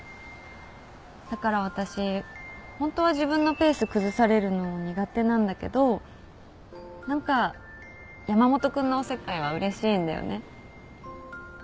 だから私ホントは自分のペース崩されるの苦手なんだけど何か山本君のおせっかいはうれしいんだよね。